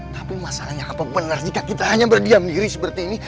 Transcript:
tapi masalahnya apa benar jika kita hanya berdiam diri seperti ini